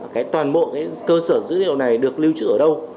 cái toàn bộ cái cơ sở dữ liệu này được lưu trữ ở đâu